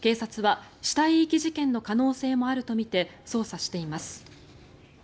警察は死体遺棄事件の可能性もあるとみて捜査しています。